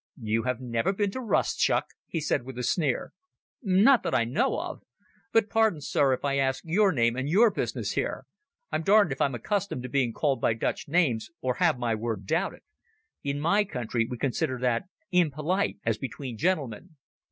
"You have never been to Rustchuk?" he said with a sneer. "Not that I know of. But, pardon me, Sir, if I ask your name and your business here. I'm darned if I'm accustomed to be called by Dutch names or have my word doubted. In my country we consider that impolite as between gentlemen."